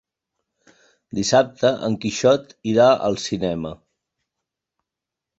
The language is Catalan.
Dissabte en Quixot irà al cinema.